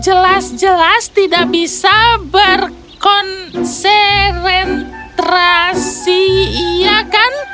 jelas jelas tidak bisa berkonserentrasi iya kan